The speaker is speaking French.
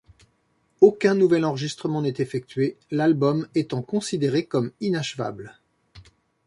Aucun nouvel enregistrement n'est effectué, l'album étant considéré comme inachevable.